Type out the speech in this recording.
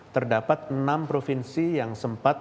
terdapat enam provinsi yang sempat